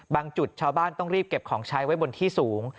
จุดชาวบ้านต้องรีบเก็บของใช้ไว้บนที่สูง